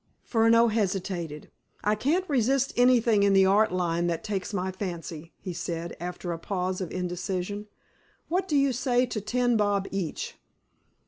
Furneaux hesitated. "I can't resist anything in the art line that takes my fancy," he said, after a pause of indecision. "What do you say to ten bob each?"